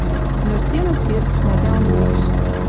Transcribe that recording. Нӧртенӹт верцнӓ дӓ онг лиш